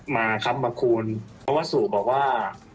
มาครับมาคูณเพราะว่าสู่บอกว่า